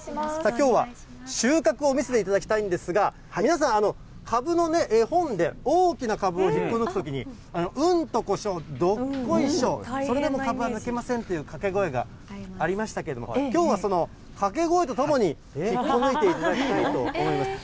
きょうは収穫を見せていただきたいんですが、皆さん、かぶの絵本で、大きなかぶを引っこ抜くときに、うんとこしょどっこいしょ、それでもかぶは抜けませんという掛け声がありましたけれども、きょうは掛け声とともに、引っこ抜いていただきたいと思います。